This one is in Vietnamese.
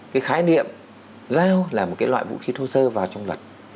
cái khái niệm giao là một cái loại vũ khí thu sơ vào trong luật